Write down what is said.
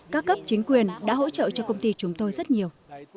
các cấp chính quyền đã hỗ trợ cho công ty chúng tôi rất nhiều